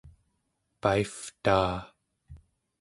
paivtaa